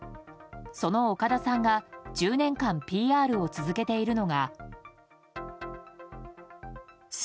その岡田さんが１０年間ＰＲを続けているのが。